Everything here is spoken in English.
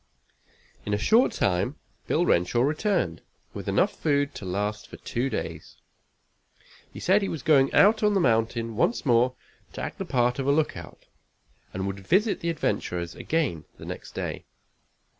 In a short time Bill Renshaw returned with enough food to last for two days. He said he was going out on the mountain once more to act the part of a lookout, and would visit the adventurers again the next day.